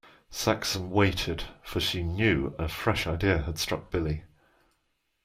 Saxon waited, for she knew a fresh idea had struck Billy.